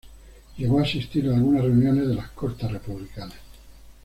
Llegó a asistir a algunas reuniones de las Cortes republicanas.